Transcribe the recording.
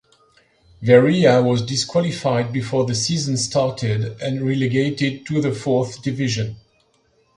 Vereya was disqualified before the season started and relegated to the fourth division.